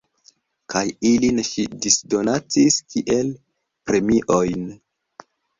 Kaj ilin ŝi disdonacis kiel premiojn.